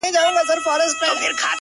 خوارسومه انجام مي د زړه ور مـات كړ ـ